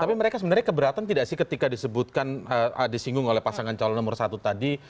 tapi mereka sebenarnya keberatan tidak sih ketika disebutkan disinggung oleh pasangan calon nomor satu tadi